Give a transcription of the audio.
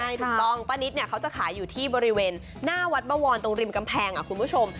ใช่ถูกต้องป้านิตเนี่ยเขาจะขายอยู่ที่บริเวณหน้าวัดบวรตรงริมกำแพงคุณผู้ชม